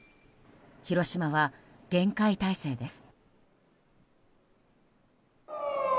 広島は厳戒態勢です。